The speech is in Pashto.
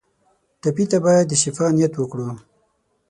ټپي ته باید د شفا نیت وکړو.